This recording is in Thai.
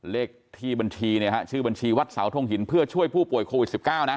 เลขที่บัญชีชื่อบัญชีวัดสาวทงหินเพื่อช่วยผู้ป่วยโควิด๑๙